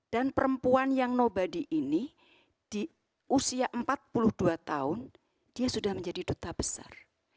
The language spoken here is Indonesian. dan perempuan yang nobody ini di usia empat puluh dua tahun dia sudah menjadi duta besar